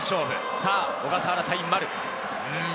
さぁ小笠原対丸。